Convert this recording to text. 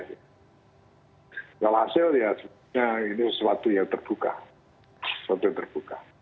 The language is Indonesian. kalau hasil ya ini sesuatu yang terbuka